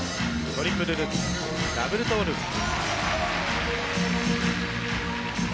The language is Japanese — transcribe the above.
トリプルルッツダブルトウループ。